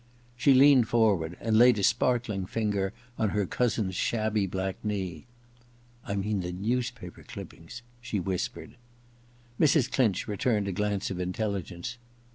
She leaned forward and laid a sparkling finger on her cousin's shabby black knee. * I mean the newspaper dippings.' she whispered Mrs. Clinch returned a glance of mteUigence.